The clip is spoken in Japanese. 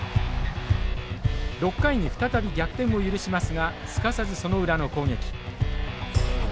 ６回に再び逆転を許しますがすかさずその裏の攻撃。